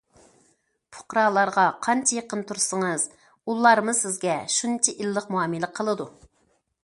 پۇقرالارغا قانچە يېقىن تۇرسىڭىز، ئۇلارمۇ سىزگە شۇنچە ئىللىق مۇئامىلە قىلىدۇ.